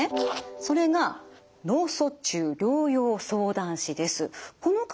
それが脳卒中療養相談士です。